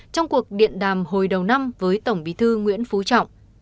trong cuộc điện đàm hồi đầu năm với tổng bí thư nguyễn phú trọng